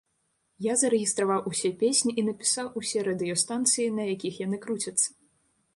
Я зарэгістраваў усе песні і напісаў усе радыёстанцыі, на якіх яны круцяцца.